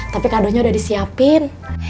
tapi kadonya udah disiapin